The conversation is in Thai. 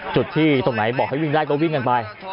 จุดที่ตรงไหนบอกให้วิ่งได้ก็วิ่งกันไป